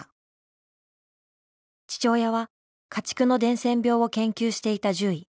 父親は家畜の伝染病を研究していた獣医。